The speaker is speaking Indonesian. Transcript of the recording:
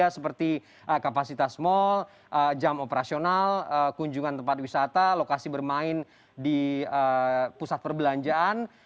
seperti kapasitas mal jam operasional kunjungan tempat wisata lokasi bermain di pusat perbelanjaan